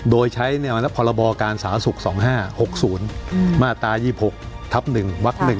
โดยใช้พรบการสาธารณสุข๒๕๖๐มาตรา๒๖ทับ๑วัก๑